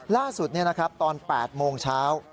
ล่าสุดนี้นะครับตอน๘โมงเช้า